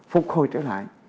phục hồi trở lại